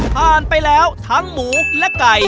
ผ่านไปแล้วทั้งหมูและไก่